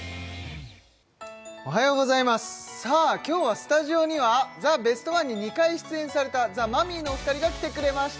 おはようございますさあ今日はスタジオには「ザ・ベストワン」に２回出演されたザ・マミィのお二人が来てくれました